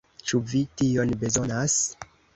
Ĉu vi tion bezonas?